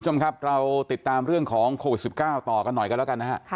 คุณผู้ชมครับเราติดตามเรื่องของโควิด๑๙ต่อกันหน่อยกันแล้วกันนะฮะ